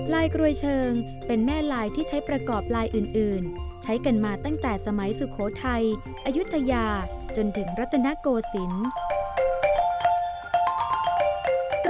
กรวยเชิงเป็นแม่ลายที่ใช้ประกอบลายอื่นใช้กันมาตั้งแต่สมัยสุโขทัยอายุทยาจนถึงรัตนโกศิลป์